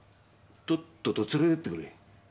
とっとと連れてってくれ。